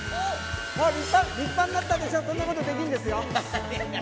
立派、立派になったでしょ、こんなことできんですよ。